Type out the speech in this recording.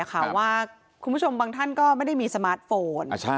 คุณผู้ชมบางท่านก็ไม่ได้มีสมาร์ทโฟน